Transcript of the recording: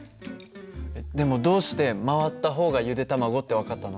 でもどうして回った方がゆで卵って分かったの？